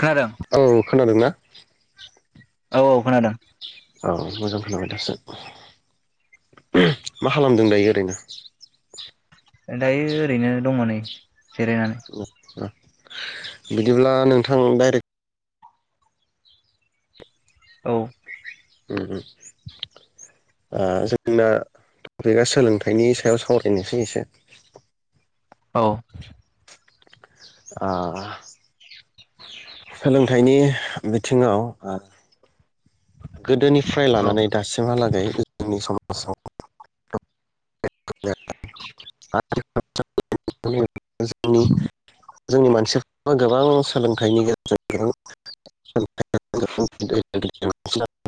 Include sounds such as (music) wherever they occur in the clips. खोनादों औ खोनादोंना? औ औ खोनादों। औ मोजां खोनाबाय दासो मा खालामदों दायो ओरैनो? दायो ओरैनो दङ नै जिरायनानै (unintelligible) बिदिब्ला नोंथा आं डाइरेक्ट औ ओम ओम ओ जोंना टपिकआ सोलोंथाइनि सायाव सावरायनोसै एसे। औ आह (unintelligible) सोलोंथाइनि बिथिङाव गोदोनिफ्राय औ लानानै दासिमहालागै जोंनि समाजाव (unintelligible) जोंनि मानसिफ्राब गोबां सोलोंथाइनि गेजेरजों (unintelligible)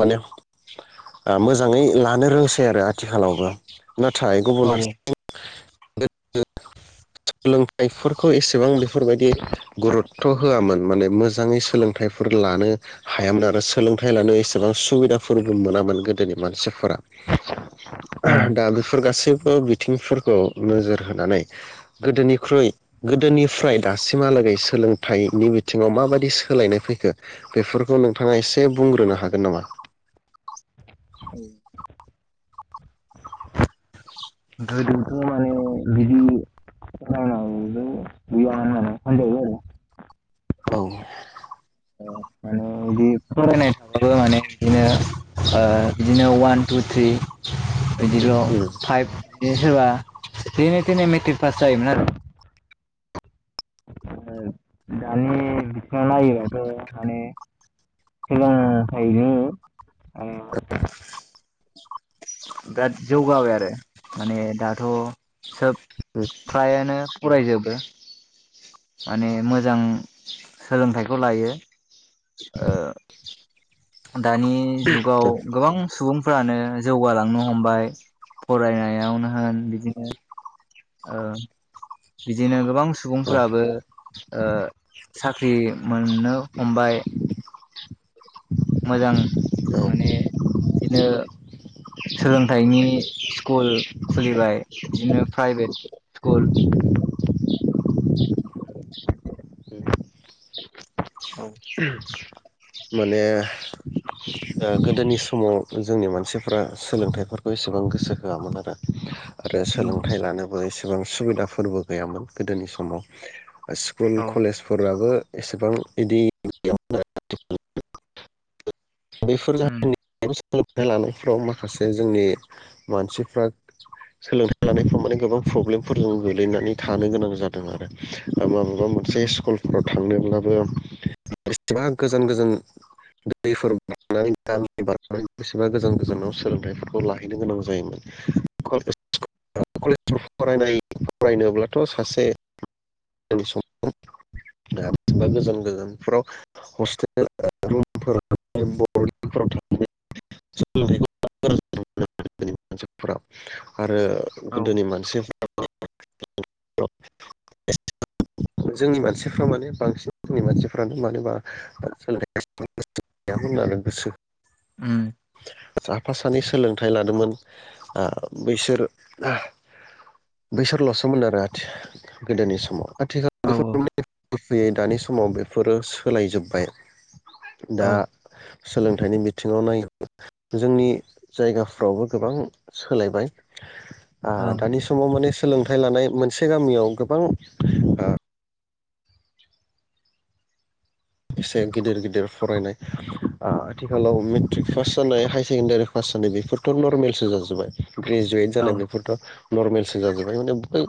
माने मोजाङै लानो रोंसै आरो आथिखालावबो। नाथाय गुबुन फारसेथिं (unintelligible) सोलोंथाइफोरखौ एसेबां बेफोरबायदि गुरुत्थ' होआमोन माने मोज मोजाङै सोलोंथाइफोर लानो हायामोन आरो सोलोंथाइ लानो एसेबां सुबिदाफोरबो मोनामोन गोदोनि मानसिफोरा। उम दा बेफोर गासैबो बिथिंफोरखौ नोजोर होनानै गोदोनिख्रुइ गोदोनिफ्राय दासिमहालागै सोलोंथाइनि बिथिङाव माबायदि सोलायनाय फैखो बेफोरखौ नोंथाङा एसे बुंग्रोनो हागोन नामा? गोदोथ माने बिदि सानावबो गैयामोन माने मोनजायो आरो। औ माने बिदिनो बिदिनो अवान टु थ्रि बिदिल उम फाइभ बिदनो सोरबा जेने तेने मेथ्रिक फास जायोमोन आरो। दानि बिथिङाव नायोबाथ' माने सोलोंथाइनि (unintelligible) बिराद जौगाबाय आरो माने दाथ सोब उम फ्रायानो फरायजोबो माने मोजां सोलोंथाइखौ लायो ओ दानि जुगाव गोबां सुबुं फोरानो जौगालांनो हमबाय फरायनायावनो होन बिदिनो ओ बिदिनो गोबां औ सुबुंफोराबो ओ साख्रि मोननो हमबाय मोजां औ माने बिदिनो सोलोंथाइनि स्कुल खुलिबाय बिदिनो प्राइभेट स्कुल (unintelligible) (unintelligible) माने (unintelligible) ओ गोदोनि समाव जोंनि मानसिफ्रा सोलोंथाइफोरखौ एसेबां गोसो होआमोन आरो आरो उम सोलोंथाइ लानोबो एसे सेबां सुबिदाफोरबो गैयामोन गोदोनि समाव स्कुल कलेजफोराबो एसेबां बिदि (unintelligible) बेफोर (unintelligible) उम सोलोंथाइ लानायफ्राव माखासे जोंनि मानसिफ्रा सोलोंथाइ लानायफ्राव माने गोबां प्रब्लेमफोरजों गोग्लैनानै थानो गोनां जादों आरो माबा माबा मोनसे उम स्कुलफ्राव थांनोब्लाबो बेसेबा गोजान गोजान दैफोर बारनानै गामि बारनानै बेसेबा गोजान गोजानाव सोलोंथाइफोरखौ लाहैनो गोनां जायोमोन कलेज फरायनाय फरायनोब्लाथ' सासे समावबा गोजान गोजानफ्राव हस्टेल रूमफोराव (unintelligible) गोदोनि मानसिफोरा आरो औ गोदोनि मानसि (unintelligible) जोंनि मानसिफ्रा माने बांसिन जोंनि मानसिफ्रानो मानोबा सोलोंथाइयाव एसेबां गोसो गैयामोन होननानै गोसो उम साफा सानै सोलों थाइ लादोंमोन आ बैसोर आह बैसोरल'सोमोन आरो आथि गोदोनि समाव औ आथिखालाव (unintelligible) फैयै दानि समाव बेफोरो सोलायजोबबाय औ दा सोलोंथाइनि बिथिङाव नायोबा जोंनि जायगाफ्रावबो गोबां सोलायबाय आ दानि समाव बेस सोलोंथाइ लानाय मोनसे गामियाव गोबां आ एसे गिदिर गिदिर फरायनाय आ आथिखालाव मेट्रिक पास जानाय हायार सेकेण्डारि पास जानाय बेफोरथ' नरमेलसो जाजोबबाय ग्रेजुवेट औ जानाय बेफोरथ' नरमेलसो जाजोबबाय माने बै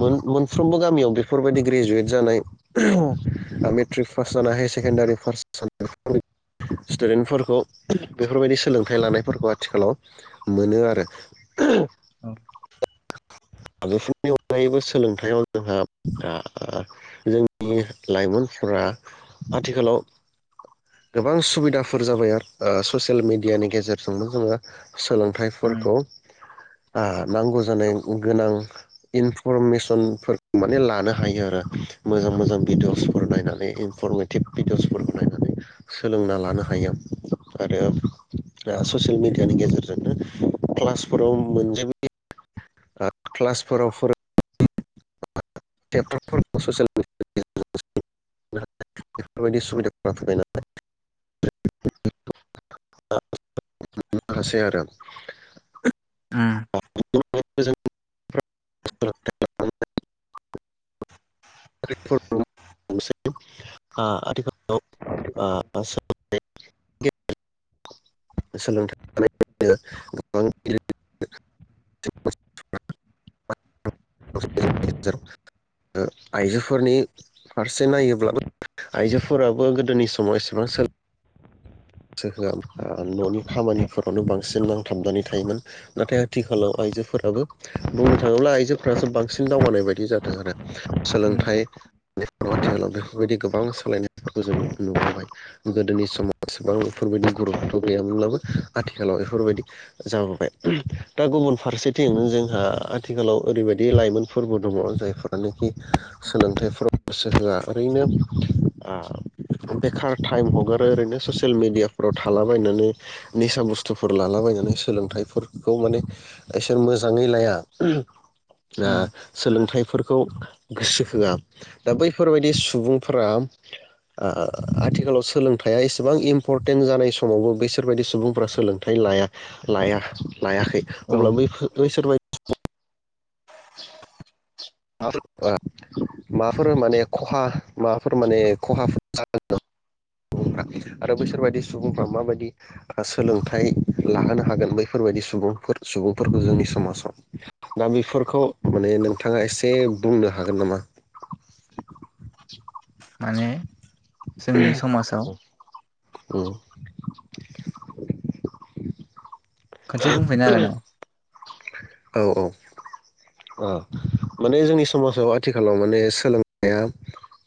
मोन मोनफ्रोमबो गामियाव बेफोरबायदि ग्रेजुवेट जानाय मेट्रिक पास पास जोंना हायार सेकेण्डारि फार जानाय (unintelligible) स्टुडेन्टफोरखौ बेफोरबायदि सोलोंथाइ लानायफोरखौ आथिखालाव मोनो आरो (unintelligible) हादरफोरनि अनगायैबो सोलोंथाइआव जोंहा ओ जोंनि लाइमोनफोरा आथिखालाव गोबां सुबिदाफोर जाबाय आरो ससियेल मेडियानि गेजेरजोंनो जोङो उम सोलोंथाइफोरखौ आ नांगौ जानाय गोनां इनफरमेसन फोर माने लानो हायो आरो मोजां मोजां भिडअ'सफोर नायनानै इनफरमेटिभ भिडिअसफोरखौ नायनानै सोलोंना लानो हायो आरो ओ ससियेल मिडियानि गेजेरजोंनो क्लासफोराव मोनजोबो (unintelligible) बेफोरबायदि सुबिदाफोरा फैबाय नालाय (unintelligible) हासै आरो उम (unintelligible) (unintelligible) आथिखालाव सोलोंथाइ (unintelligible) गोबां (unintelligible) आइजोफोरनि फारसे नायोब्लाबो आइजोफोराबो गोदोनि समाव एसेबां सोलो गोसो होआ न'नि खामानिफोरावनो बांसिन नांथाबनानै थायोमोन नाथाय आथिखालाव आइजोफोराबो बुंनो थाङोब्ला आइजोफोरासो बांसिन दावगानाय बायदि जादों आरो सोलोंथाइ उम बे आथिखालाव बेफोरबायदि गोबां सोलायनायफोरखौ जों नुबोबाय गोदोनि समाव गोबां बेफोरबायदि गुरुतथ' गैयामोनब्लाबो आथिखालाव बेफोरबायदि जाबोबाय दा गुबुन फारसेथिं जोंहा आथिखालाव ओरैबायदि लाइमोनफोरबो दङ जायफोरानोखि सोलोंथाइफ्राव गोसो होआ ओरैनो ओ बेखार टाइम हगारो ओरैनो ससेल ससेल मिडिया फोराव थालाबायनानै निसा बुस्थुफोर लाला बायनानै सोलोंथाइफोरखौ माने इसोर मोजाङै लाया ना उम सोलोंथाइफोरखौ खौ गोसो होआ दा बैफोरबायाददि सुबुंफोरा आथिखालाव सोलोंथाइया एसे गोबां इम्परटेन्ट जानाय समावबो बैसोरबायदि सुबुंफ्रा सोलोंथाइ लाया-लाया लायाखै औ अब्ला बैफोर बैसोरबाय माफोर माने खहा माबाफोर माने खहा आरो बैसोरबायाददि सुबुंफ्रा माबायदि सोलोंथाइ लाहोनो हागोन बैफोरबायदि सुबुंफोर सुबुंफोरखौ जोंनि समाजाव दा बेफोरखौ माने नोंथाङा एसे से बुंनो हागोन नामा? माने? जोंनि समाजाव? उम खनसे बुंफैनो हागोन नामा? औ औ माने जोंनि समाजाव आथिखालाव माने सोलोंनाया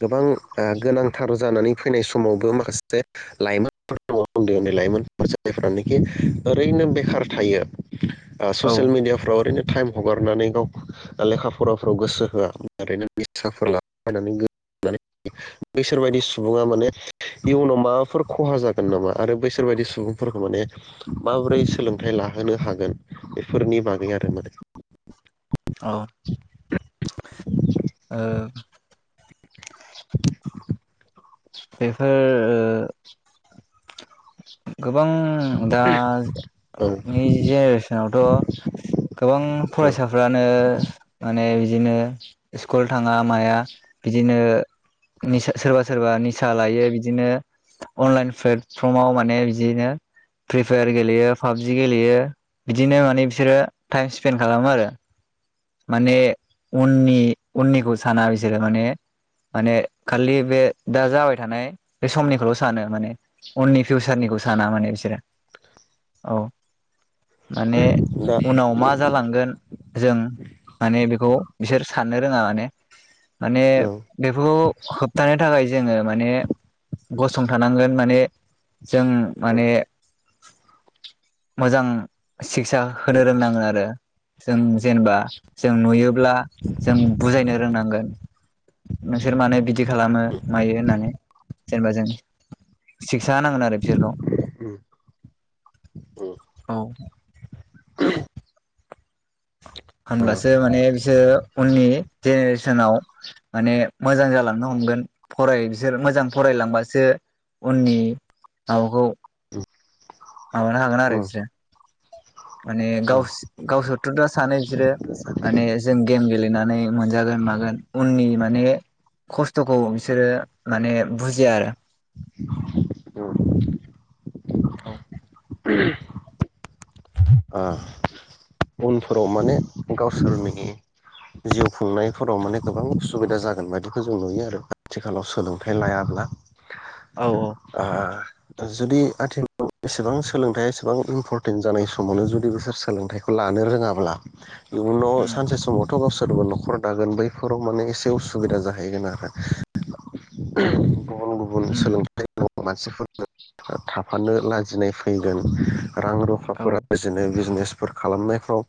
गोबां ओ गोनांथार जानानै फैनाय समावबो माखासे लाइमोन उन्दै उन्दै लाइमोनफोर जायफ्रानोखि ओरैनो बेखार थायो औ ससियेल मिडियाफ्राव ओरैनो टाइम हगारनानै गाव लेखा फराफोराव गोसो होआ ओरैनो निसाफोर लानानै बैसोरबायायदि सुबुङा माने इयुनाव माबाफोर खहा जागोन ग नामा? आरो बैसोर बदि सुबुंफोरखौ माने माबोरै सोलोंथाइ लाहोनो हागोन बेफोरनि बागै आरो माने। अ ओ बेफो ओ (unintelligible) गोबां औ दानि जेनेरेसनावथ गोबां औ फरायसाफ्रानो माने बिदिनो स्कुल थाङा माया बिदिनो निसा सोरबा सोरबा निसा लायो बिदिनो आनलाइन फ्लेटप्रमाव माने माने बिदिनो फ्रि फायार गेलेयो पाबजि गेलेयो बिदिनो माने बिसोरो टाइम स्पेन्ड खालामो आरो। माने उननि उननिखौ साना बिसोरो माने माने खालि बे दा जाबाय थानाय बे समनिखौल सानो माने उननि फिउसारनिखौ साना माने बिसोरो। माने दा उनाव मा जालांगोन जों माने बेखौ बिसोर साननो रोङा माने माने औ बेफोरखौ होबथानो थाखाय जोङो माने गसंथानांगोन माने जों माने मोजां सिखसा होनो रोंनांगोन आरो। जों जेनबा जों नुयोब्ला जों बुजायनो रोंनांगोन नोंसोर मानो बिदि खालामो मायो होननानै जेनेबा जों सा होनांगोन आरो बिसोरखौ उम उम औ। (inaudible) होमब्लासो माने बिसोर उननि जेनेरेसनाव माने मोजां जालांनो हमगोन फराय बिसोर मोजां फरायलांबासो उननि माबाखौ माबानो हागोन आरो बिसोरो। माने गावस गावसोर थ सानै बिसोरो माने जों गेम गेलेनानै मोनजागोन मागोन उननि माने खस्थ'खौ बिसोरो माने बुजिया आरो। उम ओ औ उनफोराव माने गावसोरनि जिउ खुंनायफोराव माने गोबां सुबिदा जागोन बायदिखौ जों नुयो आरो आथिखालाव सोलोंथाइ लायाब्ला। औ औ आ जुदि आथिखालाव एसेबां सोलोंथाइया एसेबां इम्परटेन्ट जानाय समावनो जुदि बिसोर सोलोंथाइखौ लानो रोङाब्ला इयुनाव उम सानसे समावथ गाव सोरबा न'खर दागोन बैफोराव माने एसे उसुबिदा जाहैगोन आरो गुबुन गुबुन उम सोलोंथाइ दङ मानसिफोर थाफानो लाजिनाय फैगोन रां औ रुफाफोरा बिजनो बिजनेस खालामनायफ्राव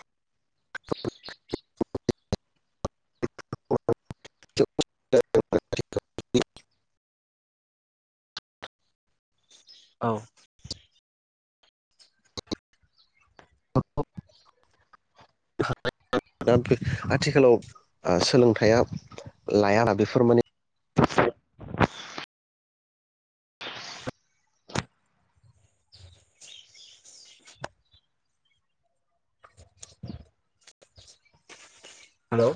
(unintelligible) औ (unintelligible) (unintelligible) दा आथि आथिखालाव ओ सोलोंथाइया लायाना बेफोर माने (inaudible) हेलौ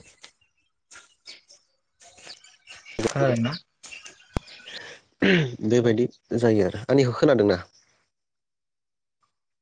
खोनादों ना बेबायदि जायो आरो आंनिखौ खोनादोंना